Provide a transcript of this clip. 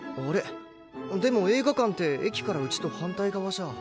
でも映画館って駅からうちと反対側じゃ。